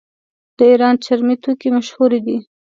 د ایران چرمي توکي مشهور دي.